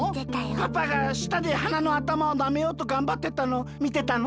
パパがしたではなのあたまをなめようとがんばってたのみてたの？